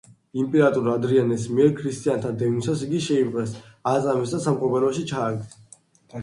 იმპერატორ ადრიანეს მიერ ქრისტიანთა დევნისას იგი შეიპყრეს, აწამეს და საპყრობილეში ჩააგდეს.